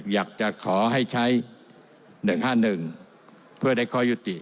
อยากจะขอให้ใช้๑๕๑เพื่อได้ข้อยุติ